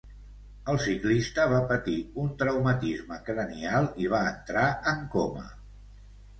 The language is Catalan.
El ciclista va patir un traumatisme cranial i va entrar en coma.